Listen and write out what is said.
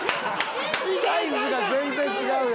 サイズが全然違うやん。